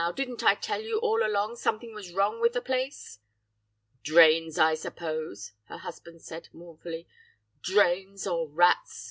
didn't I tell you all along something was wrong with the place?' "'Drains, I suppose!' her husband said mournfully, 'drains or rats!